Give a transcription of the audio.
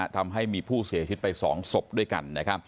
ทำให้มีผู้เสียชีวิตไป๒ศพด้วยกัน